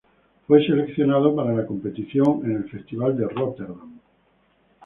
Fue seleccionado para la competición en el Festival de Rotterdam.